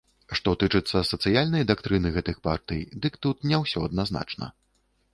Што тычыцца сацыяльнай дактрыны гэтых партый, дык тут не ўсё адназначна.